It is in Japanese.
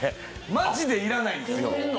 マジで要らないんです。